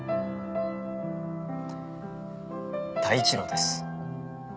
太一郎です